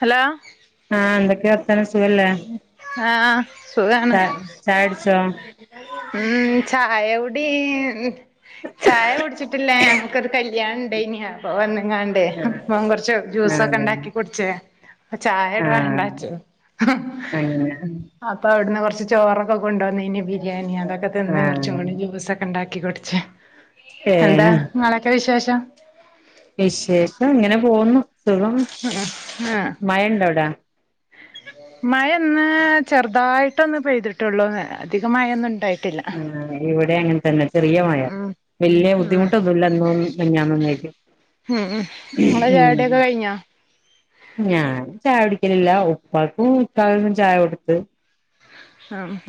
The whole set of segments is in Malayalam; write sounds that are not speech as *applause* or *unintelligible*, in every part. ഹലോ ആഹ് എന്തൊക്കെയാ വർത്താനം സുഖല്ലേ ആ ആ സുഖാണ് ച ചായുടിച്ചോ ഉ ചായ കുടി മം ചായ കുടിച്ചിട്ടില്ല ഞങ്ങക്കൊരു കല്യാണണ്ടെനി അപ്പോ വന്ന്ങ്ങാണ്ട് ആഹ് അപ്പം കൊറച്ച് ആഹ് ജ്യൂസൊക്കെ അതന്നെ ഇണ്ടാക്കി കുടിച്ച് പ്പ ചായേണ്ട് ആഹ് വേണ്ടാച്ചു അങ്ങനെ അപ്പൊ അവിടന്ന് കൊറച്ച് ചോറൊക്കെ കൊണ്ടുവന്നിനി ബി രിയാണി അതൊക്കെ തിന്ന് കുറച്ചു ആഹ് കൂടി ജൂസൊക്കെണ്ടാക് ക്കി കുടിച്ച് എന്താ ഏഹ് ഇങ്ങളെക്കെ വിശേഷം? വിശേഷം ഇങ്ങനെ പോവുന്നു സുഖം മഴ ഇണ്ടാവടെ? മഴൊന്ന് ചെറുതായിട്ടൊന്ന് പെയ്തിട്ടൊള്ളൂ അധികം മഴൊന്നും ഉണ്ടായി ആ ഇവിടെ അങ്ങനെ തന്നെ ചെറിയ മഴാ, ഉം വലിയ ഉം ബുദ്ധിമുട്ടൊന്നുല്ല ഇന്നു മിഞ്ഞാന്നിന്നു ആയിട്ട്, ഉം ഉം നിങ്ങളെ ഉം ചായുടിയൊക്കെ കഴിഞ്ഞോ ഞാൻ ചായ കുടിക്കലില്ല ഉപ്പാക്കും ക്കാനും ചായ കൊടുത്തു.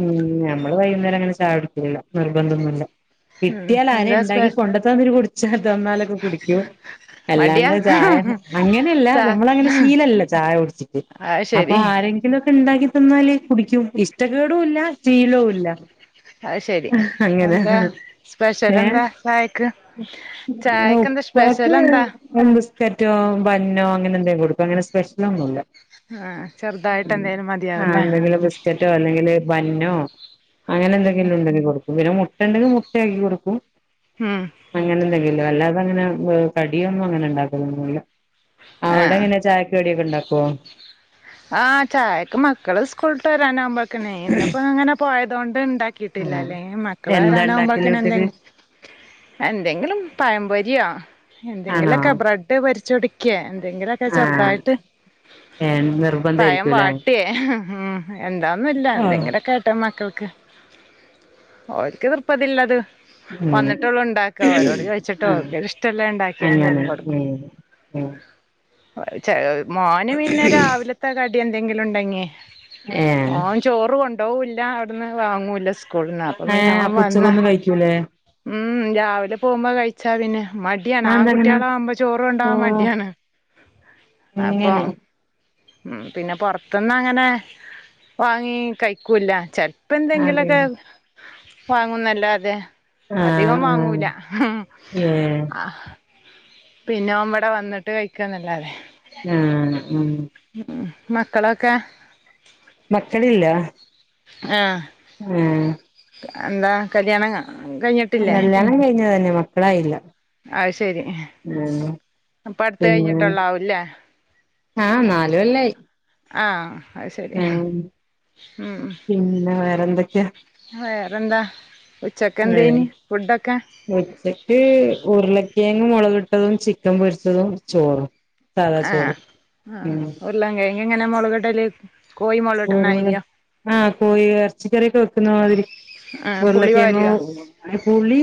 ഉം ഞാ മ്മള് വൈകുന്നേരം അങ്ങനെ ചായ കുടിക്കലില്ല നിർബന്ധന്നുല്ല ഉം കിട്ടിയൽ ആരെ എന്താ സ്പെ ഇണ്ടാക്കി കൊണ്ട് തന്നിട്ട് കുടിച്ചാ തന്നാലൊക്കെ കുടിക്കും മടിയാ അല്ലാണ്ട് ചായ അങ്ങനെയല്ല ചാ ഞമ്മളങ്ങനെ ശീലില്ല ചായ കുടിച്ചിട്ട് അത് അപ്പൊ ശരി ആരെങ്കിലൊക്കെ ഉണ്ടാക്കി തന്നാല് കുടിക്കും ഇഷ് ഇഷ്ട കേടൂലാ ശീലോ ഇല്ല അത് ശെരി അങ്ങനെ എന്താ ഏ സ്പെഷ്യലെന്താ ചായക്ക് ചായക്ക്ന്താ സ്പെഷ്യലെന്താ? കിക്കറ്റോ ബന്നേ അങ്ങനെ എന്തെങ്കിലും കൊടുക്കും അങ്ങനെ സ്പെഷ്യലൊന്നും ഇല്ല ആചെറുതായിട്ട് എന്തേലും മതിയാവും ല്ലേ *unintelligible* ബന്നോ അങ്ങനെന്തെങ്കിലും ഉണ്ടെങ്കി കൊടുക്കും അങ്ങനെ മുട്ടയുണ്ടെങ്കിൽ മുട്ടയാക്കി കൊടുക്കും ഉം അങ്ങനെ എന്തെങ്കിലും അല്ലാതെ - ഇവടെങ്ങനെ കടിയൊന്നും അങ്ങനെ ഉണ്ടാക്കലെന്നുല്ല അവടെ ആഹ് എങ്ങനെ ചായക്ക് കടിയൊക്കെ ഒണ്ടാക്കുവോ ആ ചായക്ക് മക്കള് സ്കൂ- ട്ട് വരാനാമ്പോഴക്കെന്നെ ഇന്ന് ഇപ്പൊ ഇങ്ങനെ പോയിട്ട് *unintelligible* ണ്ടാക്കിട്ടില്ല ആഹ് അല്ലേ മക്കള് എന്താ ഉണ്ടാക്കല് വരാനകുമ്പോഴക്കെന്നെ എന്തെ ഉച്ചക്ക് എന്തെങ്കിലും പഴംപൊരിയോ ആണോ എന്തെങ്കിലൊക്കെ ബ്രെഡ് പൊരിച്ചു കൊടുക്കുവോ എന്തെങ്കിലൊക്കെ ആഹ് ചെറുതായിട്ട്- ഏഹ് പയം നിർബന്ധായിരിക്കുംല്ലേ വാട്ടേ ഉം എന്താന്നുല്ല ആഹ് എന്തെങ്കിലുക്കായിട്ട് മക്കള് ക്ക് ഓര്ക്ക് തൃപ്പതിള്ളത് അങ്ങനെ വന്നിട്ടുള്ളൂ ഉണ്ടാക്ക ഓരോട് ചോദിച്ചിട്ട് ആഹ് ഒര്ക്ക് ഇഷ്ടള്ളത് ഇണ്ടാക്കിയ അങ്ങനെ എന്തേലും കൊടുക്കും ഏഹ് ഏഹ് *unintelligible* മോന് പിന്നെ രാവിലെ കടി എന്തെങ്കിലും ഇണ്ടങ്കേ ഏഹ് ഓൻ ചോറ് കൊ ണ്ടോവൂല്ല അവിട്ന്ന് വാങ്ങൂല്ല സ് കൂള്ന്ന് അപ്പ പിന്നെ ഏഹ് ഓൻ അപ്പൊ വന്ന ഉച്ചക്കൊന്നും കഴിക്കൂലേ ഉം രാവിലെ പോകുമ്പോ കഴിച്ച് ട്ട പിന്നെ മടിയാണ് അതെന്താ അങ്ങനെ ആൺകുട്ടികളാവുമ്പ ചോ റോണ്ടവൻ ഓഹ് മടിയാണ് അപ്പൊ അങ്ങനെ ഉം പിന്നെ പൊറത്തുന്നങ്ങനെ വാങ്ങി കഴിക്കൂല്ല ചെല അതെ പന്തങ്കിലൊക്കെ വാങ്ങുന്നല്ലാതെ ആഹ് അധികം ആഹ് വാങ്ങൂല ഉം ഏഹ് ആ പിന്നെ അവൻ വടെ വന്നിട്ട് കഴിക്കന്നല്ലതെ ആ ഉം മക്കളൊക്കെ മക്കളില്ല ആ ഉം എന്താ കല്യാണങ്ങ കല്യാണം കഴിഞ്ഞന്നെ മക്കളായില്ല അ ശരി ആഹ് അപ്പ അടുത്ത് പിന്നെ കഴിഞ്ഞിട്ടള്ളാവൂലേ ആഹ് നാല് കൊല്ലായി ആ അത് ശരി ആഹ് ഉം റെ എന്തൊക്കായാ വേറെന്താ ഉച്ചക്ക് ഏഹ് എന്തേനി ഫുഡൊക്കെ ഉച്ചക്ക് ഉരുളക്കെ ങ് മുളക് ഇട്ടതും ചിക്കൻ പൊരിച്ചതും ചോറും സാദാ ആ ചോറും ആ ഉം ഉരുളൻകെഴ്‌ എങ്ങനെ മുളകിടല് ഉരുള ആ കോഴി ഇറച്ചിക്കറിയൊക്കെ വെക്കുന്ന മാതിരി ആഹ് പുളി പാര്വോ ഉരുളക്കെഴങ്ങും പുളി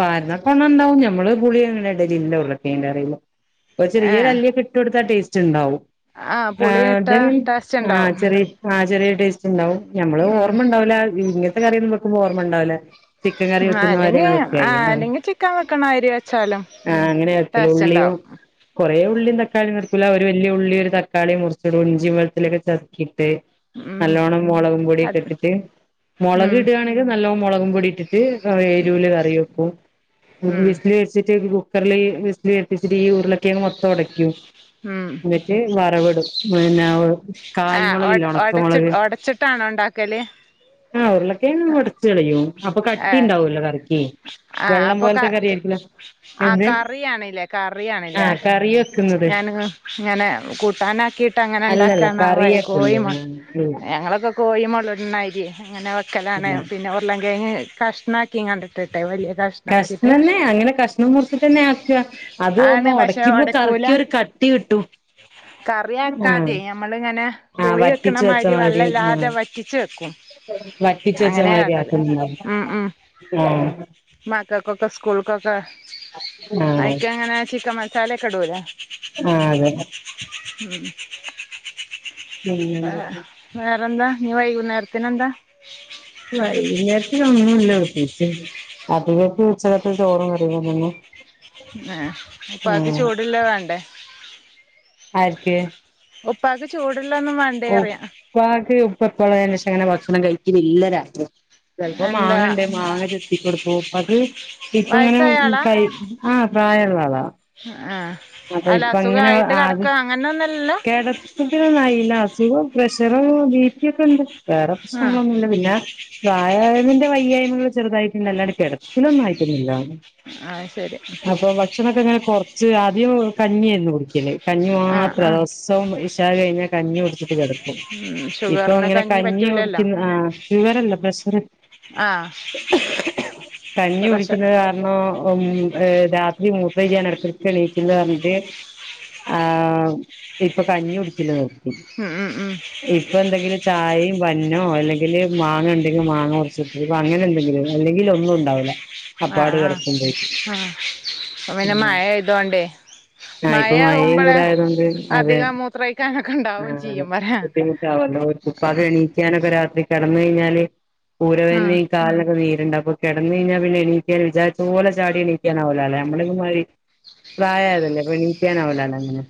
പാരുന്നാ കൊണം ഇണ്ടാവും ഞമ്മള് പുളി അങ്ങനെ ഇടലില്ല ഉരുളക്കെഴങ്ങിന്റെ കറീല് ചെറിയ ഒര് അല്ലിയൊക്കെ ഇട്ട് കൊടുത്താ ടേസ് റ്റ്ണ്ടാവും ആഹ് പുളി ഇട്ടാ ടേസ്റ്റ് ഇണ്ടാവും ആ ചെറിയ ടേസ്റ്റ് ഇണ്ടാവും ഞമ്മള് ഓർമ്മ ഇണ്ടാവൂല ഇങ്ങ കറിയൊന്നും വെക്കുമ്പോ ഓർമ്മ ഇണ്ടാവുല ചിക്കൻ കറി ആ വെക്ക്ന്ന മാതിരി അല്ലെങ്കി അങ്ങ് ആ വെക്കായി ആഹ്‌ അല്ലെങ്കി ചിക്കൻ വെക്കണ അരി വെച്ചാലും ആഹ് അങ്ങനെയാ വെക്കല് ടേസ്റ്റ് ഉള്ളിയും ഉണ്ടാവും കൊറേ ഉ ഉള്ളീം തക്കാളീം മുറിക്കൂല ഒരു വെല്യ ഉള്ളി ഒരു തക്കാളീം മുറിച്ചിടും ഇഞ്ചിയിം വെളുത്തുള്ളീം ഒക്കെ ചതയ്ക്കും ട്ട് ഉം നല്ലോണം മൊളകും പൊടിയൊക്കെ അത് ഇട്ടിട്ട് മൊളക് ഉം ഇടുവാണെങ്കി നല്ലോം മൊളകും പൊടി ഇട്ടിട്ട് നല്ല എരൂല് കറി ബെക്കും ഉം *unintelligible* കുക്കർല് വിസിൽ കേപ്പിച്ചിട്ട് ഈ ഉരുളക്കെഴങ്ങ് മൊത്തം ഒടക്കും ഉം ന്നിറ്റ് വറവ് ഇടും പിന്ന കായും ഒടച്ച് ഒടച്ചിട്ടാണോ ഒണ്ടാക്കല് ആഹ് ഉരുളക്കിഴങ്ങ് ഒടച്ച് കളയും അപ്പൊ കട്ടി ഏഹ് ഉണ്ടാവൂല്ലോ കറിക്ക് ആഹ് വെള്ളം അപ്പോ ക പോലത്തെ കറി ആയിരിക്കൂല ആ എന്ത് കറിയാണ്ല്ലെ കറിയാണ്ല്ലെ ആഹ് കറി വെക്കുന്നത് ഞാന് ഞാന് കൂട്ടാനാക്കീട്ട് അങ്ങനെ അല്ലല്ല ഇണ്ടാക്കാ *unintelligible* കോയി കറിയാക്കുന്നത് മൊ ഞങ്ങളൊക്കെ കോയി *unintelligible* ക്കലാണ് പിന്ന ഉരുളൻകെഴങ്ങ് കഷ്ണാക്കീം കണ്ട് ഇട്ടിട്ടെ വലിയെ കഷ്ണെന്നെ അങ്ങനെ കഷ്ണം മുറിച്ചിട്ടെന്നെ ആക്കുവ അത് ഒന്ന് ആണ് പക്ഷെ ഒടയ്ക്കുമ്പോ കറി ക്കൊരു കട്ടി കിട്ടും കറി ആഹ് ആക്കാതെ നമ്മള് ഇങ്ങനെ ആഹ് കോഴി വെക്കണ വറ്റിച്ച് മാരി വള്ളല്ലാതെ വറ്റിച്ചു വക്കും വറ്റിച്ചു വെച്ച മാതിരി ആക്കിന്ന ഉം ഉം ആഹ് സ്കൂൾ കൊക്കെ അയ്ക്ക്‌ അങ്ങനെ ചിക്കൻ മ തലേ ചെടൂലേ ആ അതെ മ്മ് ആ പിന്നെന്തൊക്കെ വേറെന്താ നിവൈകുന്നേര പിന്നെന്താ വൈകുനേരത്തിന് ഒന്നുല പ്രത്യേകിച്ച് അതങ്ങക്ക് ഉച്ചക്കത്തെ ചോറും കറി *unintelligible* ആ അപ്പത് ചൂടോള്ള് വേണ്ടേ ആര്ക്ക് ഉപ്പാക്ക് ചൂട് ഉപ്പക്ക് ഉപ്പപ്പളേ അങ്ങനെ ഭക്ഷണക്കഴിക്കലില്ല രാത്രി ചെൽപ്പോ എന്താ മാങ്ങണ്ടേ മാങ്ങ ചെത്തിക്കൊടുക്കും അത് ഇപ്പങ്ങനെ വയസ്സായ ആളാ കയ് ആ പ്രായമുള്ള ആളാ ആഹ് അപ്പൊ അല്ല ഇപ്പ അങ്ങനെ അസുഖായിട്ട് ആത് കെടക്കാ അങ്ങനൊന്നല്ലല്ലോ കെടത്തത്തിലൊന്നായീല്ല അസുഖം പ്രഷറോ ബീ. പിയൊക്കണ്ടോ വേറെ ആഹ് പ്രശ്നങ്ങളൊന്നുല്ല പിന്നെ വ്യായാമന്റെ വയ്യായ്മകള് ചെറുതായിട്ടില്ല അല്ലാണ്ട് കിടപ്പലൊന്നായിട്ടൊന്നുമില്ല ആഹ് ശരി അപ്പൊ ഭക്ഷണൊക്കെ എങ്ങനെ കൊറ ച്ച് രാ *unintelligible* കഞ്ഞി എന്നും കുടിക്ക് കഞ്ഞി ആഹ് മാത്രം ആഹ് ദോസം രാവിലെ കഴിഞ്ഞ കഞ്ഞി കുടിക്കും ഉം ഇപ്പൊ ഷുഗറിന് ഇങ്ങനെ കഞ്ഞി പറ്റൂലല്ലോ കുടിക്കുന്ന ആ ഷുഗർല്ല പ്രഷർ ആഹ് കഞ്ഞി പ്രഷ കുടിക്കുന്നത് കാരണോ ഉം രാത്രി മൂത്രൊയ്ക്കാന് എടക്കെടെക്കെണീക്കും *unintelligible* ആ ഇപ്പോ കഞ്ഞി കുടിക്കല് നിർ ഉം ഉം ഉം ഇപ്പൊ എന്തെങ്കിലും ചായയും ബണ്ണോഅല്ലെങ്കില് മാങ്ങ ഉണ്ടെങ്കിൽ മാങ്ങ കുറച്ചിട്ട അങ്ങനെ എന്തെങ്കിലും അല്ലെങ്കിലൊന്നും ഉണ്ടാവൂല ആ ആ ആ പിന്നെ മഴ ആയതോണ്ടേ ആ ഇപ്പൊ മഴയും കുടായതോണ്ട് അതെ അധികം മൂത്രൊഴിക്കാനൊക്കെ ഇണ്ടാവും ആ ചെയ്യും പറയാ ബുദ്ധിമുട്ടാവല്ലോ ഉപ്പാക്ക് എണീക്കാനൊക്കെ രാ കെടന്ന് കഴിഞ്ഞാല് ഉം ഊരവേദനീം കാലിനൊക്കെ നീരും ണ്ടപ്പോ കെടന്ന് കയ്ഞ്ഞാ പിന്നെ എണീക്കാന് വിചാരിച്ചപോലെ ചാടി എണീക്കാനാവൂലാലോ നമ്മളൊന്നുമ്മാരി പ്രായായതല്ലേ അപ്പൊ എണീക്കാനാവൂല്ലല്ലോ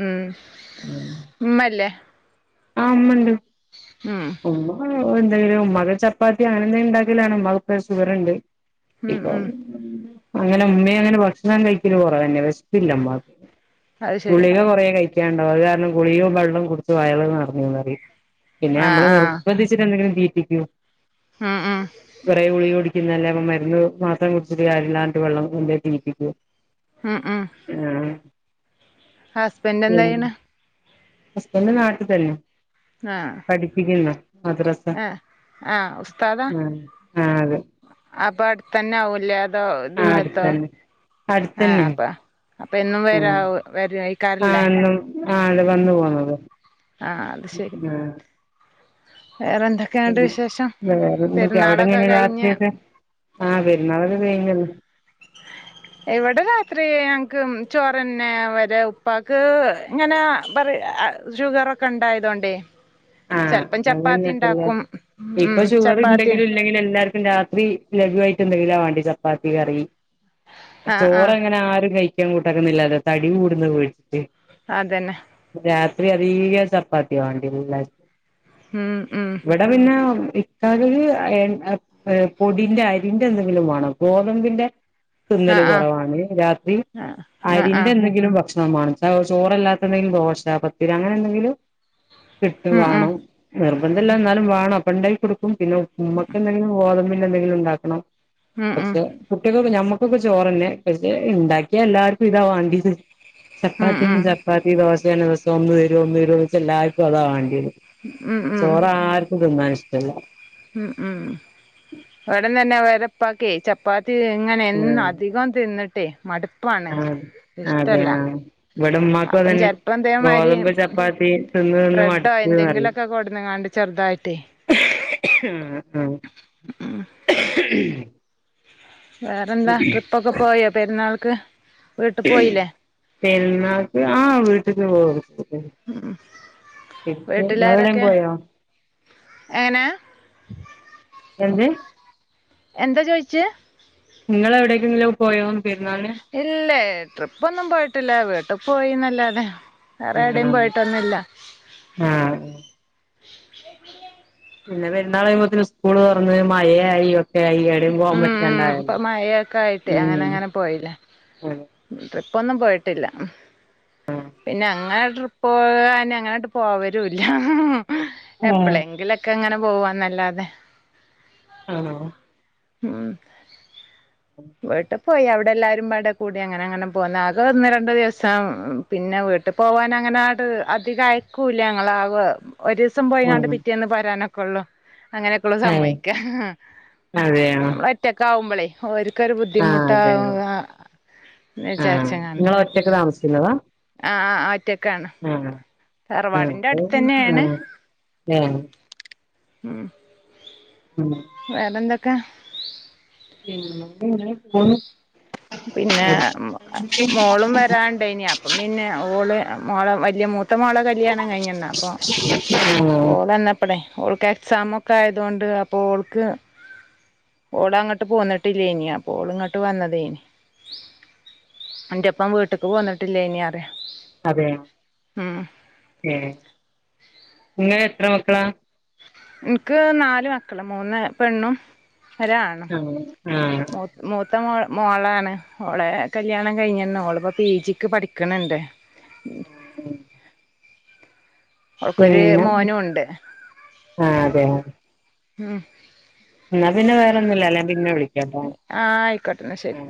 ഉം ഉമ്മല്ലേ ആമ്മണ്ട് ഉം ഉമ്മ ഓ എന്തായാലും ഉമ്മാക്ക് ചപ്പാത്തി ആണ് ഉണ്ടാക്കലാണ് ഉമ്മാക്ക്പ്പ ഷുഗറുണ്ട് ഉം ഉം അങ്ങനെ ഉമ്മയങ്ങനെ ഭക്ഷണം കഴിക്കല് കുറവെന്നെ പ അത് *unintelligible* ശരി ഗുളിക കൊറേ കഴി കാണ്ട് കുളിഗെ വെള്ളം കൊടുത്ത് വയറ് നർ *unintelligible* പിന്നെ ആഹ് നമ്മള് ആഹ് നിർബന്ധിച്ചിട്ട് എന്തെങ്കിലും- ഉം ഉം *unintelligible* കൊറേ ഗുളിക കുടിക് ക്ക്ന്നയല്ലേ അപ്പം മരുന്ന് മാത്രം കുടിച്ചിട്ട് കാര്യല്ല പറഞ്ഞിട്ട് വെള്ളം കൊണ്ടോയി കുടിപ്പിക്കും. ആ ആ ഹസ്ബന്റ് എന്താ ചെയ്യണ്? ഹസ്ബന്റ് നാട്ട് തന്നെ ആ പഠിപ്പിക്കുന്നു മദ്രസ ആ ആ ഉസ്താദാ ആഹ് ആഹ് അതെ അപ്പ അടുത്തന്നാവുല്ലോ അതോ ആഹ് ദൂരത്തോ അടുത്തന്നെ ആ അടുത്തന്നെയാ അപ്പ അപ്പ എന്നും വരാവോ വരായ് ആ എന്നും ആ അതെ വന്നു പോണതും ആ അത് ശരി വേറെ ഉം എന്തൊക്കെയുണ്ട് വിശേഷം വേറെന്തൊക്കെ പെരുന്നാളൊക്കെ അവിടെങ്ങനെയാ കഴിഞ്ഞ് രാത്രിയൊക്കെ ആ പെരുന്നാളൊക്കെ കഴിഞ്ഞല്ലോ ഇവിടെ രാത്രി ഞങ്ങക്ക് ചോറെന്നെ, ഇവരെ ഉപ്പാക്ക് ഇങ്ങനെ പറ ഷുഗറൊക്കെ ഇണ്ടായതോണ്ടെ ആഹ് ചെലപ്പം അതന്നെ ചപ്പാത്തി ഇപ്പ ഇണ്ടാക്കും, എല്ലാർക്കും ഇപ്പൊ ഉം ഷുഗർ ചപ്പാത്തിയെൻ ഉണ്ടെങ്കിലും ഇല്ലെങ്കിലും എല്ലാർക്കും രാത്രി ലഗുവായിട്ട് എന്തെങ്കിലുവാ വാണ്ടി ചപ്പാത്തി കറി. ആഹ് ആഹ് ചോറങ്ങനെ ആരും കയി ക്കാൻ കൂട്ടാക്ക്ന്നില്ലല്ലോ തടിം കൂടുന്ന് പേടിച്ചിട്ട് അതെന്നെ ചെറീയ ചപ്പാത്തി വാണ്ട്യരുലെഹ് ഉം ഉം ഇത്തരുവി അഹ് പൊടിന്റെ അരിന്റെ എന്തെങ്കിലു വാണം. ഗോതമ്പിന്റെ തിന്നല് ആഹ് കൊറവാണ് രാത്രി ആഹ് ആഹ് അരിന്റെ ആഹ് എന്തെങ്കിലും ഭക്ഷ- ആമാനു *unintelligible* ചോറല്ലാത്തത് *unintelligible* ദോശ പത്തിരി അങ്ങനെന്തെങ്കിലും *unintelligible* ഉം ഉം വാണം നിർ എന്തെല്ലാം ഇന്നാലും വാണം അപ്പ ഇണ്ടയി കൊടു പിന്നെ ഉമ്മക്ക് എന്തെങ്കിലും ഗോതമ്പി- എന്തെങ്കിലും ഉണ്ടാക്കണം ഉം പക്ഷെ ഉം കുട്ട്യെകൊക്കെ ഞമ്മക് കൊക്കക്കെ ചോറന്നെ പക്ഷെ ഇണ്ടാക്കിയ എല്ലാർക്കും ഇതാ വാണ്ട്യേത് ഉം ചപ്പാത്തിയും ചപ്പാത്തി ദോശേണ് ദോശ് ഒന്ന് തരോ ഒന്ന് തരോ ന്നൊയ്ച്ചാ എല്ലാർക്കും അതാ വാണ്ട് ഉം ഉം ഉം ചോറ് ആർക്കും തിന്നാൻ ഇഷ് *unintelligible* ഉം ഉം എവിടന്നെന്ന വരെ പാക്കെ ചപ്പാ ത്തി ഇങ്ങനെ എന്ന് അധികം തിന്നിട്ട് ട്ട് മടു പ്പാണ് ആഹ് അതെ ഇഷ്ടല്ല ആഹ് ഇവിടെ ഉമ്മാക്കും അപ്പം അതന്നെ ചെലപ്പംതേമാതിരി ഗോതമ്പ് ചപ്പാത്തി തിന്ന് തിന്ന് ബ്രെഡോ മടുത്ത് പറയും എന്തെങ്കിലുമൊക്കെ കൊടുന്നിങ്ങാണ്ട് ചെറുതായിട്ടേ മ് *inaudible* *inaudible* വേറെന്താ ട്രിപ്പ് ഒക്കെ പോയോ പെരുന്നാൾ ക്ക്‌ പെരുന്നാക്ക് ആ വീട്ട് *unintelligible* നിങ്ങൾ എവിടെയും വീട്ടിലാരൊക്കെ പോയോ എങ്ങനെ എന്ത് എന്താ ചോയിച്ച് നിങ്ങൾ എവിടേക്കെങ്കിലും പോയോന്ന്‌ ഇല്ലേ ട്രിപ്പൊന്നും പോയിട്ടില്ല വീട് ട്ടി പോയിന്നല്ലാതെ വേറെ എവിടെയും ആഹ് പോയിട്ടൊന്നൂല്ല ആഹ് പിന്നെ പെുന്നാള്കഴീമ്പോതേന് സ്കൂള് തുറന്നു മഴയായി ടയായി എവടേം പോവാൻ ഉം ഉം ഇപ്പൊ പറ്റണ്ടായല്ലോ മഴയൊക്കെ ആയിട്ട് അങ്ങനെ ഉം പ്പ് ഒന്നും പോയിട്ടില്ല പിന്നെ അങ്ങനെ ട്രിപ്പ് പോകാൻ അങ്ങനൊയിട്ട് പോവരുല്ല അതെ എപ്പോളെങ്കിലൊക്കെ അങ്ങനെ പോവാന്നല്ലാതെ ആണോ ഉം *unintelligible* പോയി അവിടെ എല്ലാവാരും വടെ കൂടി അങ്ങനെ അങ്ങനെ പോകുന്ന അകെ ഒന്ന് രണ്ടു ദിവസം പിന്നെ വീട്ടിൽ പോകാന അങ്ങനെ ആട് അധികം അയക്കൂല്ല ഞങ്ങ ആ ഒരു ദിവസം പോയങ്ങാണ്ട് ആഹ് പിറ്റേ എന്ന് പരാനക്കെ കൊള്ള അങ്ങനെയൊക്കെയ ഉള്ള ഏഹ് സമ്മതിക്ക അതെയോ നമ്മൾ ഒറ്റക്കെ ആവുമ്പോളേ ക്കൊരു ആഹ് ബുദ്ധിമുട്ട അതെ അതെ നേ ആഹ് വിചാരിച്ചങ്ങാണ്ട് നിങ്ങള് ഒറ്റക്ക് ആ ആ അ ഒറ്റ ആഹ ആ അടുത്തന്നേണ് ആഹ ഉം വേറെ എന്തൊെ ക്ക എന്നും ഇങ്ങനെപോണു പിന്നെ മോളും വരാണ്ട ഇനി അപ്പം പിന്നെ ഓള് മോളം വലിയ മൂ ത്ത മോള കല്യാണം കഴിഞ്ഞന്ന അപ്പൊ ആഹ് ഓളന്നപ്പളേ ഓൾക്ക് എക്സാാം ഒക്കെ ആയതൊണ്ട് അപ്പോ അവഓൾക്ക് ഓൾ അങ്ങോട്ട് പോന്നിട്ടില്ലേ ഇനി അപ്പോ ഓൾ ഇങ്ങോട്ട് വന്നതേ ഇനി അന്റെപ്പം വീട്ടക്ക് പോന്നിട്ടില്ലേ നി അറ അതെയ ഏ നിങ്ങളെ എത്ര മക്കള എനിക്ക് നാല്മക്കള് മൂന്ന് പെണ്ണും ഒരാണും ആഹ് ആഹ് മൂ ത്ത മോളാണ് മോളെ കല്യാണം കഴിഞ്ഞന്ന ഒളിപ്പോ പി ജിക്ക് പഠിക്കണണ്ട് ഉം ഉണ്ട് ആ അതെ ഉം എന്നാ പിന്നെ വേറൊന്നു ലല്ലഞാ പിന്നെ വിളാം ആഹ ആയിക്കോട്ടെന്നെ ശരി